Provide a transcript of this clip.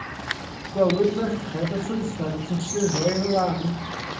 Gwelwyd merched y ffrwythau'n prysuro i'r lan.